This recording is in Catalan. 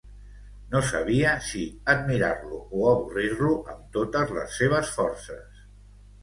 No sabia si admirar-lo o avorrir-lo amb totes les seves forces.